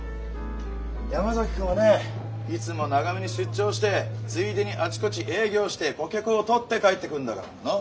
山崎君はねいつも長めに出張してついでにあちこち営業して顧客を取って帰ってくんだからなあ？